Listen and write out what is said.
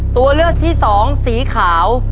ตัวเลือกที่สองสีขาว